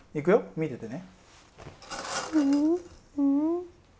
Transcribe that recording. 見ててね。